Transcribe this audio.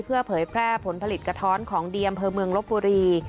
เพื่อเผยแพร่ผลผลิตกระท้อนของดีอำเภอเมืองลบบุรี